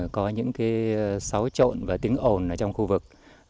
có những xáo trộn và tiếng ồn ở trong khu vực